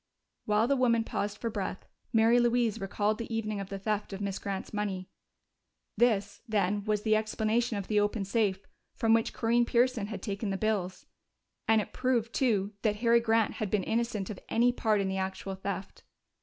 While the woman paused for breath, Mary Louise recalled the evening of the theft of Miss Grant's money. This, then, was the explanation of the open safe, from which Corinne Pearson had taken the bills. And it proved, too, that Harry Grant had been innocent of any part in the actual theft.